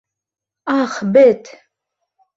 Ах, бет!